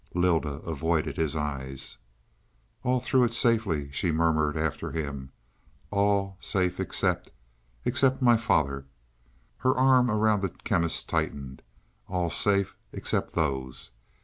Lylda avoided his eyes. "All through it safely," she murmured after him. "All safe except except my father." Her arm around the Chemist tightened. "All safe except those."